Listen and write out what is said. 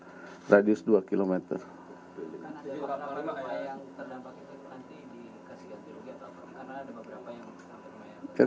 karena ada beberapa yang terdampak itu nanti dikasih antirugian atau apa